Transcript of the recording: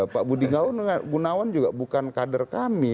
pak budi gunawan juga bukan kader kami